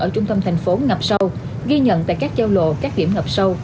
ở trung tâm thành phố ngập sâu ghi nhận tại các giao lộ các điểm ngập sâu